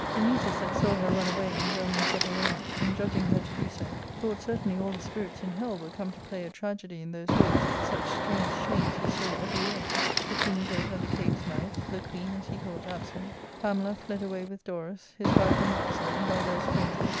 Dametas, that saw her run away in Zelmane's upper raiment, and judging her to be so, thought certainly all the spirits in hell were come to play a tragedy in those woods, such strange change he saw every way : the king dead at the cave's mouth ; the queen, as he thought, absent ; Pamela fled away with Dorus ; his wife and Mopsa in divers frenzies.